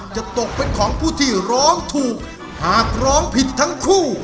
จะตกเป็นของผู้ที่ร้องถูกหากร้องผิดทั้งคู่